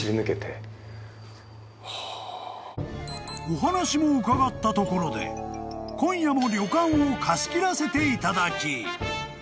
［お話も伺ったところで今夜も旅館を貸し切らせていただき